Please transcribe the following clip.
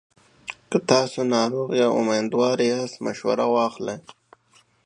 که تاسو ناروغ یا میندوار یاست، مشوره واخلئ.